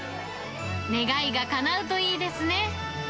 願いがかなうといいですね。